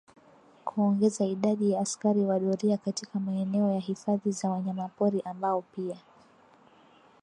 Kuongeza idadi ya askari wa doria katika maeneo ya hifadhi za wanyamapori ambao pia